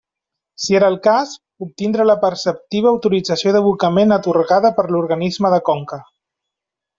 Si era el cas, obtindre la preceptiva autorització d'abocament atorgada per l'organisme de conca.